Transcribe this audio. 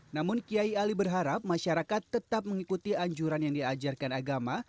namun kiai ali berharap masyarakat tetap mengikuti anjuran yang diajarkan agama